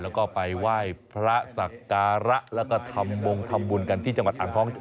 แล้วก็ไปไหว้พระสักการะแล้วก็ทำบงทำบุญกันที่จังหวัดอ่างทอง